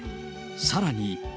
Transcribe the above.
さらに。